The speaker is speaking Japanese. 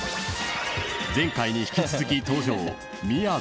［前回に引き続き登場］